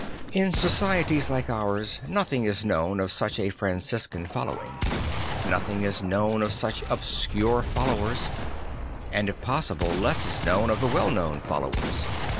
In societies like ours nothing is known of such a Franciscan following. Nothing is known of such obscure followers; and if possible less is known of the well known followers.